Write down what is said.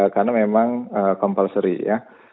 karena memang compulsory ya